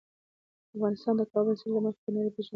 افغانستان د کابل سیند له مخې په نړۍ پېژندل کېږي.